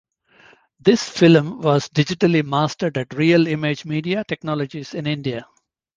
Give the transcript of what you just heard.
This film was digitally mastered at Real Image Media Technologies in India.